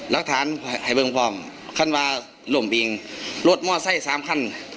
รักฐานให้เวิงฟรองคันปะลมบิงลดหม้อไส้สามขั้น